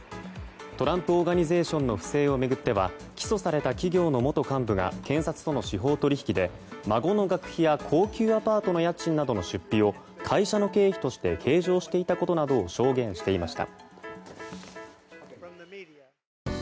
トランプ・オーガニゼーションの不正を巡っては起訴された企業の元幹部が検察との司法取引で孫の学費や高級アパートの家賃などの出費を会社の経費として計上していたことなどを証言していました。